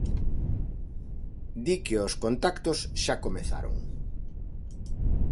Di que os contactos xa comezaron.